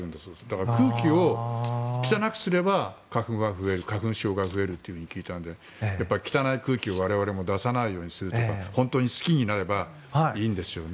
だから、空気を汚くすれば花粉は増える花粉症が増えると聞いたのでやっぱり汚い空気を我々も出さないようにするとか本当に好きになればいいですよね。